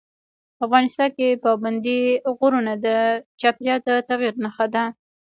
افغانستان کې پابندی غرونه د چاپېریال د تغیر نښه ده.